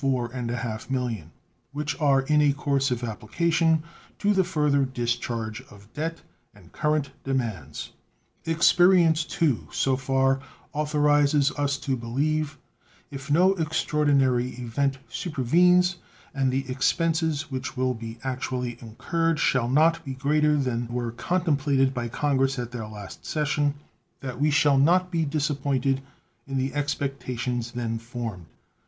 5 millions which are in a course of application to the further discharge of debt and current demands. Experience, too, so far, authorizes us to believe, if no extraordinary event supervenes, and the expenses which will be actually incurred shall not be greater than were contemplated by Congress at their last session, that we shall not be disappointed in the expectations then formed.